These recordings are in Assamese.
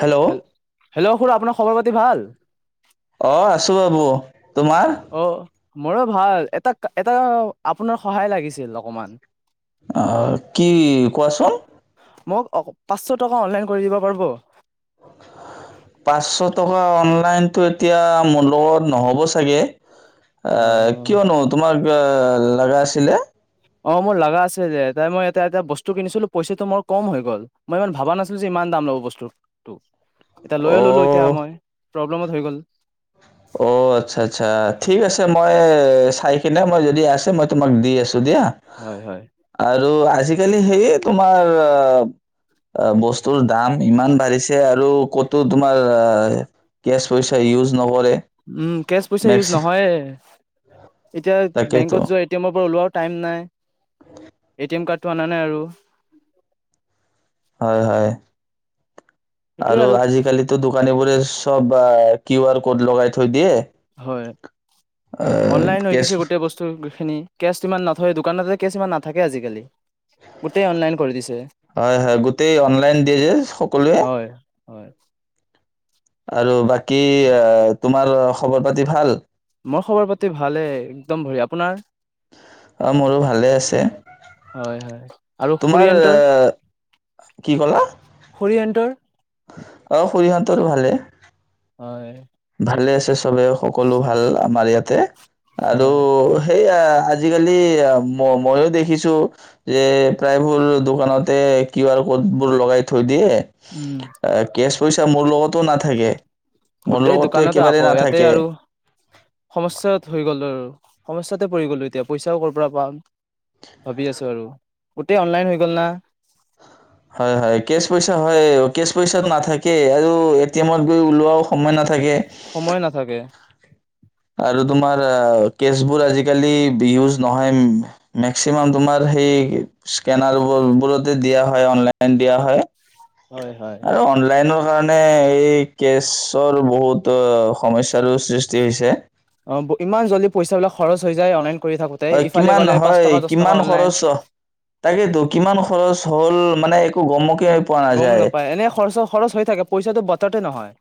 হেল্ল' হেল্ল খুৰা আপোনাৰ খবৰ পাতি ভাল? অ', আছোঁ বাবু। তোমাৰ অ'। মোৰো ভাল, এটা-এটা আপোনাৰ সহায় লাগিছিল অকমান। অ', কি কোৱাচোন? মোক অ', পাঁচশ টকা অনলাইন কৰি দিব পাৰিব? পাঁচশ টকা অনলাইনতটো এতিয়া মোৰ লগত নহ'ব চাগে এ, কিয়নো তোমাৰ এ লাগা আছিলে। অ', মোৰ লগা আছে যে, তাত মই এটা এটা বস্তু কিনিছিলো পইচাটো মই কম হৈ গ'ল, মই ইমান ভবা নাছিলো যে ইমান দাম লব বস্তুটো। এতিয়া লৈয়ে ললো এতিয়া অ' মই। প্ৰব্লেম হৈ গ'ল। অ', আচ্ছা, আচ্ছা। ঠিক আছে, মই চাই কিনে মই যদি আছে মই তোমাক দি আছোঁ। ত- দিয়া, হয় হয় আৰু আজিকালি হেৰি- তোমাৰ- বস্তুৰ দাম ইমান বাঢ়িছে আৰু ক'তো তোমাৰ কেচ পইচা ইউজ নহয়- উম, কেচ পইচা ইউজ নহয়ে, এতিয়া তাকেতো বেংকত যোৱা এটিএমৰ পৰা ওলিউৱাও টাইম নাই। এ টি এম কাৰ্ডটো অনা নাই আৰু। হয়, হয়। আৰু আজিকালিতো দোকানী বোৰে চব কিউ আৰ ক'ড লগাই থৈ দিয়ে। হয়, আহ অনলাইন হৈ কেচ গৈছে গোটেই বস্তুখিনি, কেচ ইমান নথয় দোকানতে- কেচ ইমান নাথাকে আজিকালি। গোটেই অনলাইন কৰি দিছে হয়, হয় গোটেই অনলাইন দিয়ে যে সকলোৱে। হয় হয় আৰু বাকী- কি আ? তোমাৰ খবৰ পাতি ভাল? মই খবৰ পাতি ভালে একদম বঢ়িয়া। আপোনাৰ? অ', মোৰো ভালে আছে। হয় হয় আৰু তোমাৰ, খুৰীয়েন্তৰ কি ক'লা? খুৰীয়েন্তৰ অ' খুড়ীহঁতৰো ভালেই। হয়। ভালে আছে। চবে সকলো ভাল আমাৰ ইয়াত। তে আৰু হয় সেই আজিকালি ম মইও দেখিছো যে প্ৰায়বোৰ দোকানতে কিউ আৰ ক'ড বোৰ লগাই থৈ দিয়ে উম কেছ পইচা মোৰ লগতো নাথাকে মোৰ গোটেই দুখ লগতো দোকানতে একেবাৰে আকৌ ইয়াতে নাথাকে আৰু সমস্যা হৈ গ'ল আৰু সমস্যাতে পৰি গলো এতিয়া পইচাও কৰ পৰা পাম, ভাবি আছো আৰু গোটেই অনলাইন হৈ গল না হয় হয় কেচ পইচা হয় কেচ পইচা নাথাকে আৰু এ টি এমত গৈ ওলোৱাও সময় নাথাকে ছাগে, সময় নাথাকে আৰু তোমাৰ কেচবোৰ আজিকালি ইউজ নহয় মেক্সিমাম তোমাৰ সেই স্কেনাৰ বোৰতে দিয়া হয় অনলাইন দিয়া হয়। হয় হয় আৰু অনলাইন, কাৰণে এই কেছৰ বহুত সমস্যা, [unintelligible] সৃষ্টি হৈছে, অ ইমান জল্দি পইচা বিলাক খৰচ হৈ যায় অ হয় কিমান হয় কিমান অনলাইন খৰচ তাকেইেতো কিমান খৰচ হ'ল মানে। গম! গম নাপায় এনে খৰচ খৰচ হৈ থাকে পইচাটো [unintelligible] নহয়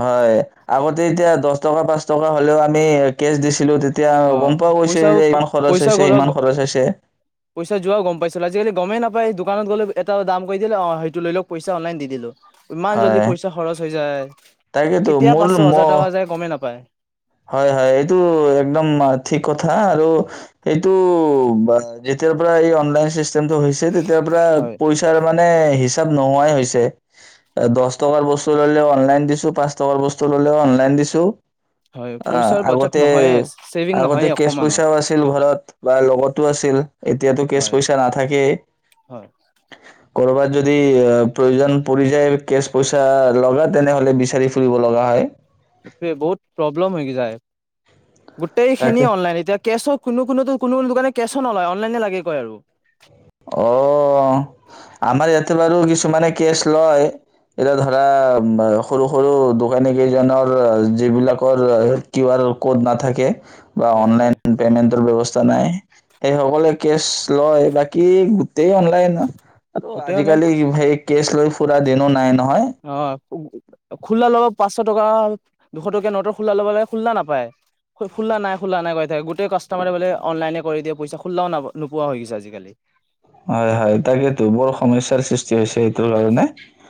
হয় আগতে এতিয়া দহ টকা পাঁচ টকা হ'লেও আমি কেছ দিছিলো তেতিয়া অ গম পোৱা গৈছিল পইচাও যে ইমান খৰচ পইচা হৈছে গল ইমান খৰচ হৈছে পইচা যোৱাও গম পাইছিলো আজিকালি গমেই নাপ, দোকানত গ'লে এটাম কৰি দিলে অ সেইটো লওক পইচা অনলাইনত দি দিলো। ইমান জল্দি পইচা খৰচ হৈ যায়। তাকেইেতো কেতিয়া মোৰ পাঁচশ হাজাৰ ম টকা যায় গমেই নাপায়। হয় হয় এইটো একদম ঠিক কথা আৰু এইটো যেতিয়াৰ পৰা এই অনলাইন চিষ্টেমটো হৈছে। তেতিয়া পৰা হয় পইচা মানে, মানে হিচাপ নোহোৱাই হৈছে দশ টকাৰ বস্তু ললেও অনলাইন দিছো পাঁচ টকাৰ বস্তু ললেও অনলাইন দিছো। হয় অ' পইচাৰ বাজেট আগতে নহয়ে ছেভিং আগতে নহয়ে কেচ অকমানো পইচাও আছিল ঘৰত বা লগতো আছিল। ছিল এতিয়াতো কেচ হয় পইচা নাথাকে। হয় কৰবাত যদি প্ৰয়োজন পৰি যায় কেছ পইচা লগা তেনেহলে বিচাৰি ফুৰিব লগা হয়। এ বহুত প্ৰব্লেম হৈ যায়। গোটেই তাকে খিনি অনলাইন এতিয়া কেছো কোনো কোনোতো কোনো কোনো দোকানে কেছো নলয় অনলাইনে লাগে কয় আৰু অ আমাৰ ইয়াতে বাৰু কিছুমানে কেছ লয়। এতিয়া ধৰা সৰু সৰু দোকানী কেইজনৰ যিবিলাকৰ কিউ আৰ ক'ড নাথাকে। বা হয় অনলাইন হয় পেমেন্টৰ ব্যৱস্থা নাই। সেই সকলে কেছ লয় বা কে [inaudible] তে অনলাইন আকৌ গোটেই অনলাইন আজিকালি হেৰি কেছ লৈ ফুৰা দেনো নাই নহ, অ খো-খোলা লগত পাছ দুশ টকা-দুশ টকীয়া নোটৰ খলা ল'ব লাগে খোলা নাপায় খোলা নাই, খোলা নাই কৈ থাকে গোটেই কাষ্টমাৰে বোলে অনলাইনে কৰি দিয়ে পইচা খোলাও নোপোৱা হৈ গৈছে আজিকালি। হয়, হয় তাকেতো বৰ সমস্যাৰ সৃষ্টি হৈছে এইটোৰ কাৰণে।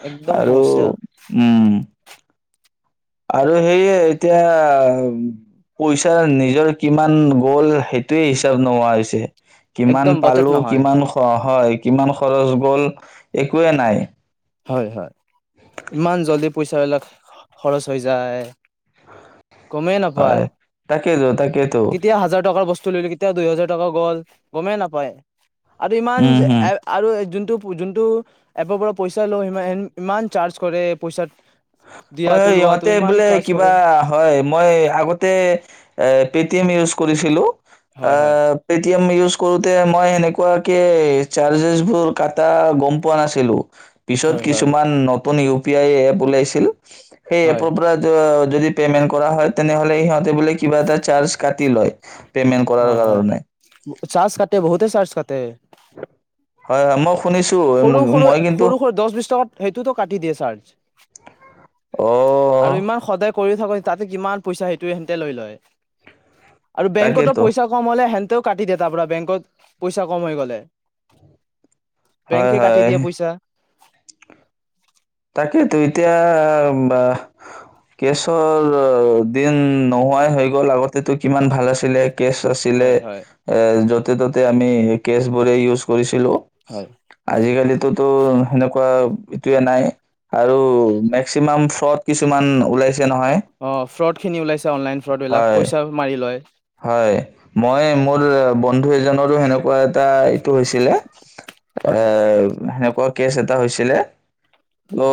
একদম আৰু সমস্যা উম! আৰু সেয়ে এতিয়া পইচাৰ নিজৰ কিমান গ'ল সেইটোৱে হিচাপ নোহোৱা হৈছে। একদম কিমান বাজেট পালো নহয় কিমান হোৱা হয়। কিমান খৰচ গ'ল একোৱে নাই। হয় হয়। ইমান জল্দি পইচাবিলাক খ-খৰচ হৈ যায়। গমেই নাপায়, হয়। তাকেইতো তাকেইতো কেতিয়া হাজাৰ টকাৰ বস্তু লৈ লৈ কেতিয়া দুই হেজাৰ টকা গ'ল গমেই নাপায়। আৰু ইমান উম যে হম। আ-আৰু যোন যোনটো এপবোৰৰ পইচা [unintelligible] ইমান চাৰ্জ কৰে পইচাত হয়, হয় ইহঁতে বোলে কিবা কৰে হয় মই আগতে এ পেটিএম ইউজ কৰিছিলো। হয় হয় অ' পেটিএম ইউজ কৰোতে মই সেনেকে পৰাকে চাৰ্জেছবোৰ কাটা গম পোৱা নাছিলোঁ। পিছত হয় হয় কিছুমান নত কোনে ইউ পি আই এপ ওলাইছ [inaudible] সেই হয়। এপৰ পৰা যো যদি পেমেন্ট কৰা হয়, তেনেহ'লে সিহঁতে বোলে কিবা এটা চাৰ্জ কাটি লয়। পে'মেণ্ট কৰাৰ অ', কাৰণে হয়। চাৰ্জ কাটে বহুতে চাৰ্জ কাট তে হয়, হয় মই শুনিছোঁ সৰু সৰু মই কিন্তু সৰু সৰু দছ বিশ টকাত সেইটোতো কাটি দিয়ে চাৰ্জ অঁ আৰু ইমান সদায় কৰি থাকো তাতে কিমান পইচা সেইটোৱে সিহঁতে লৈ লয়। আৰু বেংকতো তাকেতো পইচা কম হ'লে হেন ত' কাটি দে তাৰপৰা বেংকত পইচা কম হৈ গ'লে। হয় বেংকে কাটি হয় দিয়ে পইচা। তাকেইতো এতিয়া বা কেছৰ দিন নোহোৱাই হৈ গ'ল, আগতেটো কিমান ভাল আছিলে। কেচ আছিলে হয় হয় এ, য'ত ত' ত'তে আমি কেচবোৰে ইউজ কৰিছোঁ। হয়। [unintelligible] আজিকালিটো তো সেনেকুৱা এতিয়া নাই। আৰু মেক্সিমাম ফ্ৰড কিছুমান ওলাই অ', ফ্ৰড খিনি ওলাইছে অনলাইন ফ্ৰডবিলাক হয় পইচা মাৰি লয়। হয় মই মোৰ বন্ধু এ ৰো সেনেকুৱা এটা এইটো হৈছিলে হয়। এ পৰ কেছ এটা হৈছিলে।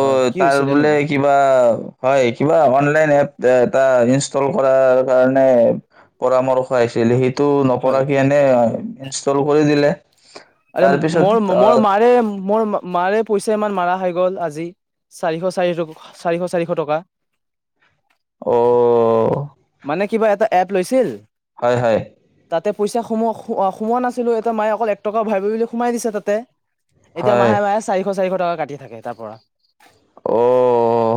হয় কি তাৰ হৈছিলে নো বোলে কিবা হয় কিবা অনলাইন এপ এটা ইনষ্টল কৰাৰ কাৰণে পৰামৰ্শ আহছিলে সে ত' নপৰা হয়। এনে ইনষ্টল কৰি দিল। আৰে মোৰ মোৰ মাৰে মোৰ মাৰে পইচা ইমান মাৰা হয়। গ'ল আজি চাৰিশ চাৰ চাৰিশ চাৰিশ টকা। অ'। মানে কিবা এটা এপ লৈছিল? হয় হয়। এয়া পইচা সোমোৱা সোমোৱা নাছিলোঁ এটা মায়ে অকল এক টকা ভৰাবি বুলি সোমাই দিছে তাতে। এতিয়া হয় মাহে মাহে চাৰিশ চাৰিশ ত' কাটি থাকে তাৰপৰা। অ'।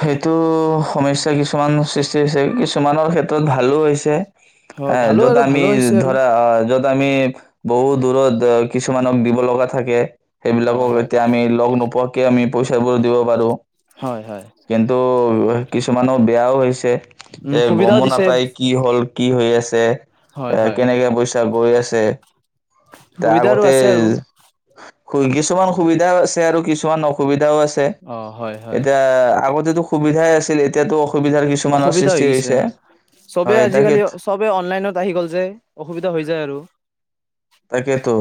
সেইটো সমস্যা কিছুমান সৃষ্টি হৈছে, কিছুমানৰ ক্ষেত্ৰত ভালো হৈছে। হয় হে, ভালো য'ত আৰু আমি ভালো হৈছে আৰু ধৰা য'ত আমি বহু দূৰত কিছুমানক দিব লগা থাকে। অ' সেইবিলাকক হয় এতিয়া আমি লগ নোপোৱাত কে আমি পইচাবোৰ দিব পাৰোঁ। হয় হয়। কিন্তু কিছুমানৰ বেয়াও হৈছে। উম এ, সুবিধাও গমো দিছে নাপাই কি হ'ল কি হৈ আছে। এ, হয় হয় কেনেকে পইচা গৈ আছে। দা সুবিধাৰো আগতে আছে আৰু [unintelligible] কিছুমান সুবিধাও আছে আৰু কিছুমান অসুবিধাও আছ ছে অ হয় হয় এতিয়া আগতেতো সুবিধাই আছিল, এতিয়াতো অসুবিধাৰ কিছুমানৰ অসুবিধা হৈ সৃষ্টি গৈছে, হৈছে চবে হয় তাকে আজিকালি চবে অনলাইনত আহি গ'ল যে, অসুবিধা হৈ যায় আৰু। তাকেইেতো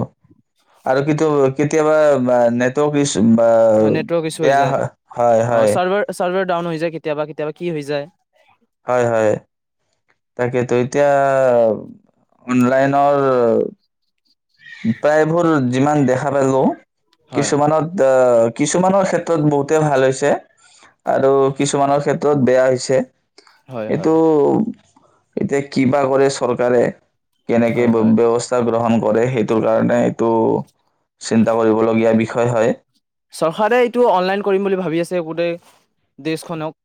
আৰু কিন্তু কেতিয়াবা অ, নেটৱৰ্ক ইছ ব, নেটৱৰ্ক ইছ্যু হৈ বেয়া যায় হয়, হয় অ হয়। চাৰ্ভাৰ চাৰ্ভাৰ ডাউন হৈ যায়, কেতিয়াবা কেতিয়াবা কি হৈ যায়। হয় হয় তাকেতো, এতিয়া অনলাইনৰ প্ৰায়বোৰ যিমান দেখা পালো হয় কিছুমানত অহ কিছুমানৰ ক্ষেত্ৰত বহুতে ভাল হৈছে আৰু কিছুমানৰ ক্ষেত্ৰত, বেয়া হৈছে। হয় এইটো হয় এতিয়া কিবা কৰে চৰকাৰে। কেনেকে হয় হয় বে-ব্যৱস্থা গ্ৰহণ কৰে সেইটোৰ কাৰণে এইটো, চিন্তা কৰিবলগীয়া বিষয় হয়। চৰকাৰে এইটো অনলাইন কৰিম বুলি ভাবি আছে গোটেই, দেশখনক।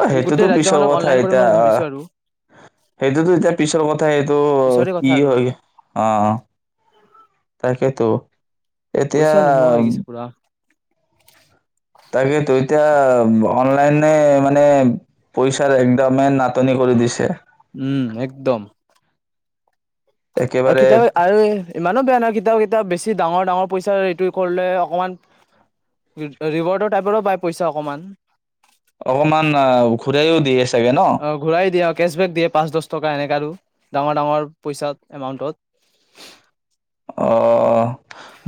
অ', গোটেই সেইটোতো পিছৰ ৰাজ্যখনক কথা অনলাইন কৰিম এতিয়া বুলি ভাবিছো আহ, আৰু সেইটোতো এতিয়া পিছৰ কথা সেইটো পিছৰে কথা কি আৰু আৰু হয় অ', তাকেতো। এতিয়া পইচা নোহোৱা হৈ গৈছে পুৰা তাকেইেতো এতিয়া অনলাইনে মানে পইচাৰ একদমে, নাটনি কৰি দিছে। উম, একদম। আৰু একেবাৰে কেতিয়াবা আৰু ইমানো বেয়া নহয় কিতাও কি তিয়া বেছি ডাঙৰ ডাঙৰ পইচা এইটোৱে কৰিলে অকণমান, ৰি-ৰিৱাৰ্ডৰ টাইপৰো পায় পইচা অকণমান। অকমান আহ ঘূৰাইও দিয়ে চাগে ন? অ', ঘূৰাই দিয়ে আৰু কেচবেক দিয়ে পাঁচ দছ টকা এনেকা আৰু। ডাঙৰ ডাঙৰ পইচা এমাউন্টত। অ',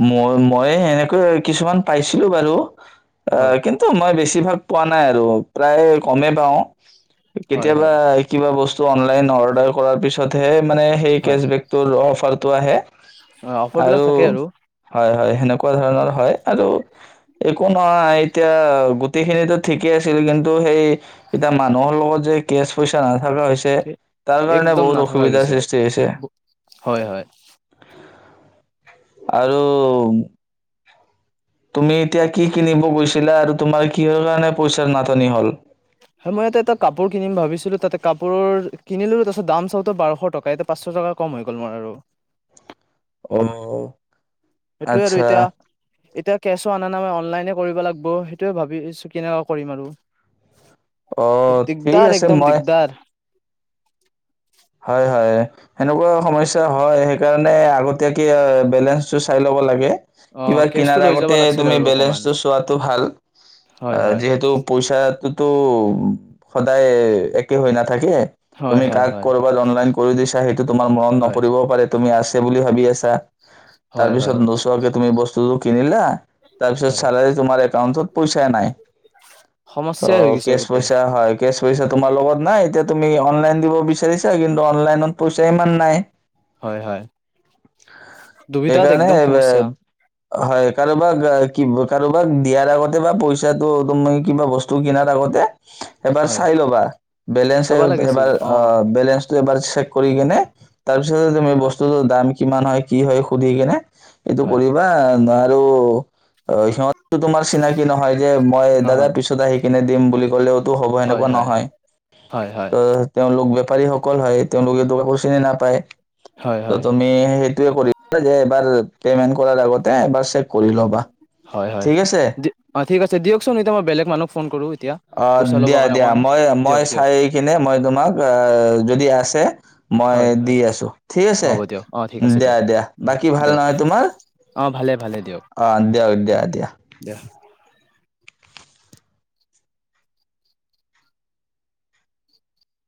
মই-মই সেনেকৈ কিছুমান পাইছিলোঁ বাৰু। অ', হয় কিন্তু মই বেছিভাগ পোৱা নাই আৰু প্ৰায় কমেই পাওঁ। হয় কেতিয়াবা হয় কিবা বস অনলাইন অৰ্ডাৰ কৰাৰ পিছতহে মানে সেই হয় কেচবেকটো লও আফাৰ টো আহে। অফাৰবিলাক আৰু থাকে হয় হয়। সেনেকুৱা ধৰণৰ হয় আৰু একো নহয় এতিয়া গোটেইখিনিতো ঠিকেই আছিল, কিন্তু সেই এতিয়া মানুহৰ লগত যে কেচ পইচা না ভালো হৈছে, তাৰ কাৰণে একদম বহুত নাথাকা হৈ অসুবিধাৰ গৈছে সৃষ্টি হৈছে। হয় হয় আৰু তুমি এতিয়া কি কিনিব গৈছিলা আৰু তোমাৰ কিহৰ কাৰণে পইচাৰ নাটনি হ'ল? হয় মই এতে এটা কাপোৰ কিনিম ভাবিছিলোঁ, তাতে কাপোৰ কিনিলোঁ, তাৰ পিছত দাম চাওঁতে বাৰশ টকা, এতিয়া পাঁচশ টকা কম হৈ গ'ল মোৰ আৰু। অ'। সেইটোয়ে আৰু আচ্ছা এতিয়া, এতিয়া কেছো আনানাই, মই অনলাইনে কৰিব লাগব, সেইটোয়ে ভাবিছোঁ কেনেকুৱা কৰিম আৰু। অ', ঠিক দিগদাৰ আছে একদম মই দিগদাৰ হয় হয়, সেনেকুৱা সমস্যা হয়, সেইকাৰণে আগতীয়াকে বেলেঞ্চটো চাই ল'ব লাগে। অ' কিবা কেছটো কিনাৰ লৈ যাব আগতে লাগছিল তুমি আৰু অকমান বেলেঞ্চটো চোৱাতো ভাল, আ হয় হয় যিহেতু পইচাটো ত' সদায় একে হৈ নাথাকে, হয় তুমি হয় কাক হয় ক'ৰবাত অনলাইন কৰি দিছ তোমাৰ মৰণ হয় নপৰিবও পাৰে তুমি আছ সেই বুলি ভাবি আছা। হয় হয় তাৰপিছত নোচোৱাকে তুমি বস [unintelligible] কিনিলা তাৰপিছত হয় চালা যে তোমাৰ একাউণ্ট পইচাই নাই। সমস্যাই হৈ অ', গৈছে কেচ গোটেই পইচা হয়, কেচ পইচা তোমাৰ লগত নাই, এতিয়া তুমি অনলাইন দিব বিচ [unintelligible] কিন্তু অনলাইনত পইচা ইমান নাই। হয় হয়। দুবিধাত একদম সমস্যা। সেইকাৰণে হয় কাৰোবাক এ, ব কাৰোবাক দিয়াৰ আগতে বা পইচাটো, তুমি কিবা বস্তু কিনাৰ আগতে এবাৰ হয় চাই ল'বা বেলেঞ্চ, চাবা লাগিছিল এ-এবাৰ অ, বেলেঞ্চটো এবাৰ চেক কৰি কেনে তাৰপিছতে তুমি হয় বস্তুতটো দাম কিমান হয় কি হয় সুধি কিনে এইটো হয় কৰিবা না আৰু অ', সিহত তু তোমাৰ চিনাকি নহয় যে মই দাদা নহয় পিছত আহি কিনে দিম বুলি ক'লেও টো হ'ব হয় এনেকুৱা হয় নহয়, হয় ত হয় তেওঁলোক বে বেপাৰীসকল হয়, তেওঁলোকেতো কাকো চিনি নাপায়। হয় ত হয় তুমি সেইটোয়ে কৰি ৰে এবাৰ পেমেণ্ট কৰাৰ আগতে এবাৰ চেক কৰি ল'বা, হয় হয় ঠিক আছে। অ ঠিক আছে, দিয়চোন এতিয়া মই বেলেগ মানুহক ফোন কৰোঁ। এতিয়া অহ পইচা ল'বৰ দিয়া কাৰণে দিয়া অকণ মই-মই দিয়ক দিয়ক চাই কেনে মই তোমাক অহ যদি আছে মই হয় দি হয় আছোঁ, ঠিক আছে। হ'ব দিয়ক অ ঠিক আছে দিয়া, দিয়ক দিয়া উম বাকী ভাল দিয়ক নহয় তোমাৰ? অ ভালে ভালে দিয়ক অহ, দিয়ক দিয়া, দিয়া। [inaudible]